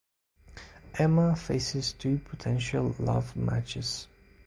Emma faces two potential love matches.